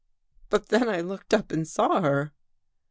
But then I looked up and saw her."